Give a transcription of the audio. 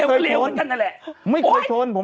มันก็บอกในวิธีกรฉันเลวก็เลวเหมือนกันนั่นแหละ